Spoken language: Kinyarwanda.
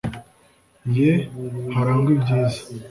ye harangwa ibyiza